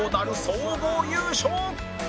総合優勝